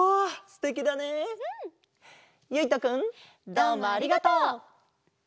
どうもありがとう！